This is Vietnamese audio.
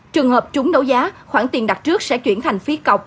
trường hợp chúng đấu giá khoản tiền đặt trước sẽ chuyển thành phí cọc